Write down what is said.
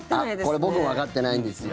これ、僕もわかってないんですよ。